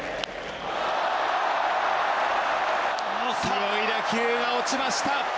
すごい打球が落ちました。